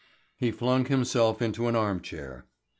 He flung himself into an armchair.